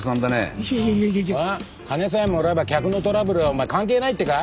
金さえもらえば客のトラブルはお前関係ないってか！？